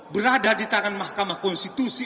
berada di tangan mahkamah konstitusi